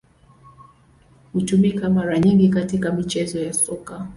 Hutumika mara nyingi katika michezo ya Soka.